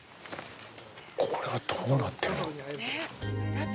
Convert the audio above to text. これは、どうなってるの？